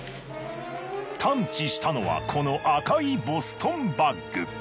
探知したのはこの赤いボストンバッグ。